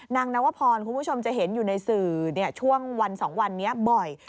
นางนวพรคุณผู้ชมจะเห็นอยู่ในสื่อช่วงวัน๒วันนี้บ่อย